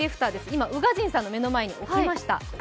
今、宇賀神さんの目の前に置きました。